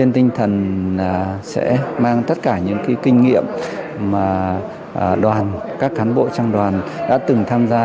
và sẽ mang tất cả những kinh nghiệm mà các cán bộ trang đoàn đã từng tham gia